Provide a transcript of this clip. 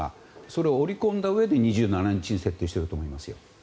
それを織り込んだうえで２７日に設定していると思いますよ。